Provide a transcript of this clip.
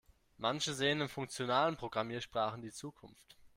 Manche sehen in funktionalen Programmiersprachen die Zukunft.